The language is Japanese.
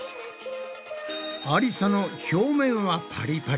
ありさの表面はパリパリ